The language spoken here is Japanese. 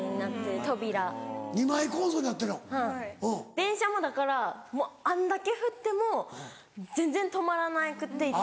電車もだからあんだけ降っても全然止まらなくていつも。